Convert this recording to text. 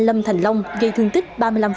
lâm thành lông gây thương tích ba mươi năm